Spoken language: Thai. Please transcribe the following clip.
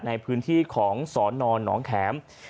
ในพื้นที่ของสอนอนน้องแขม